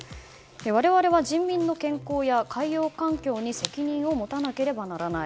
我々は人民の健康や海洋環境に責任を持たなければならない。